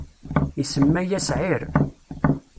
isemma-yas Ɛir.